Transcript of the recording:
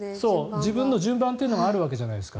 自分の順番というのがあるわけじゃないですか。